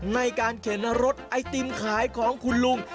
ในการเข็นรถไอติมขายของคุณลุง